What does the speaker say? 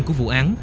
của vụ án